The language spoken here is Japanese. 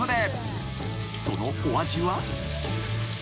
［そのお味は］